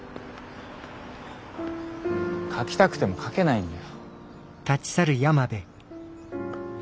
書きたくても書けないんだよ。